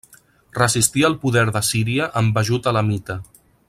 Resistí el poder d'Assíria amb ajut elamita.